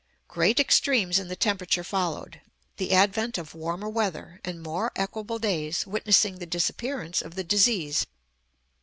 Great extremes in the temperature followed, the advent of warmer weather and more equable days witnessing the disappearance of the disease.